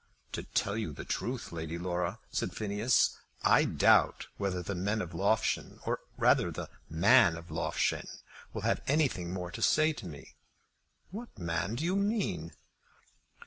"To tell you the truth, Lady Laura," said Phineas, "I doubt whether the men of Loughshane, or rather the man of Loughshane, will have anything more to say to me." "What man do you mean?"